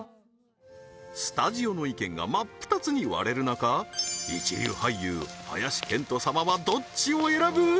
スタジオの意見が真っ二つに割れる中一流俳優林遣都様はどっちを選ぶ？